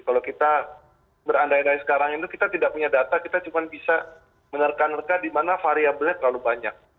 kalau kita berandai andai sekarang itu kita tidak punya data kita cuma bisa menerka nerka di mana variabelnya terlalu banyak